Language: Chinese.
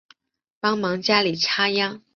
帮忙家里插秧